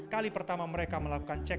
kali pertama mereka melakukan cek